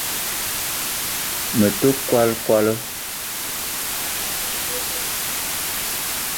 Me te kwal kwala